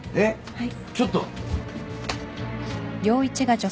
はい。